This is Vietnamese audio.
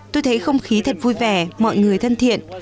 tôi thấy không khí thật vui vẻ mọi người thân thiện